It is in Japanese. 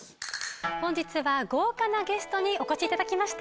本日は豪華なゲストにお越しいただきました。